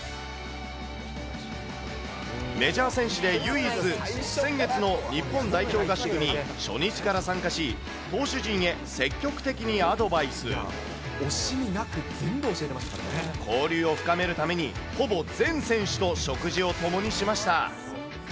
メジャー選手で唯一、先月の日本代表合宿に初日から参加し、投手陣へ積極的にアドバイ惜しみなく、全部教えてまし交流を深めるために、ほぼ全選手と食事を共にしました。